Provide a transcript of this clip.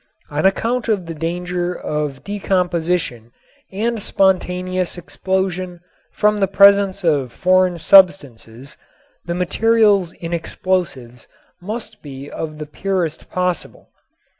On account of the danger of decomposition and spontaneous explosion from the presence of foreign substances the materials in explosives must be of the purest possible.